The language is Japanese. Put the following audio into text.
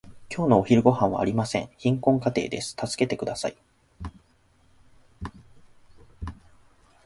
今日のお昼ごはんはありません。貧困家庭です。助けてください。